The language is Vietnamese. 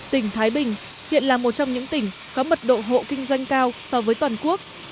tỉnh thái bình hiện là một trong những tỉnh có mật độ hộ kinh doanh cao so với toàn quốc